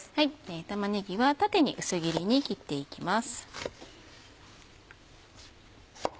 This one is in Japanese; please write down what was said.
玉ねぎは縦に薄切りに切っていきます。